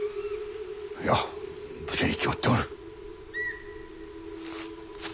いや無事に決まっておる。